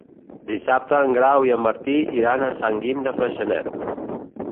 Dissabte en Grau i en Martí iran a Sant Guim de Freixenet.